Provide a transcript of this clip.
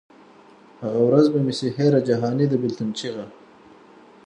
هغه ورځ به مي سي هېره جهاني د بېلتون چیغه